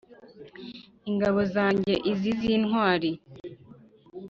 “ Ingabo zanjye izi z`intwari